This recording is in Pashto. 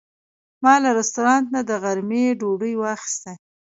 ما له رستورانت نه د غرمې ډوډۍ واخیسته.